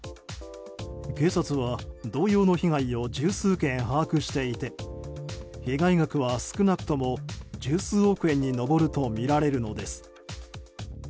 警察は同様の被害を十数件、把握していて被害額は少なくとも十数億円に上るとみられるのです。